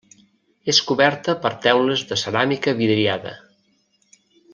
És coberta per teules de ceràmica vidriada.